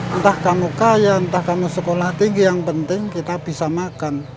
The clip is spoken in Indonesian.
entah kamu kaya entah kamu sekolah tinggi yang penting kita bisa makan